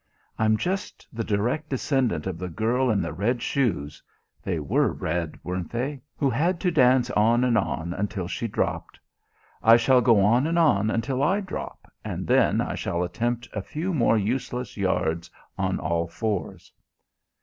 I'm just the direct descendant of the girl in the red shoes they were red, weren't they? who had to dance on and on until she dropped. I shall go on and on until I drop, and then I shall attempt a few more useless yards on all fours...."